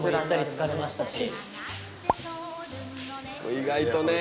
意外とね。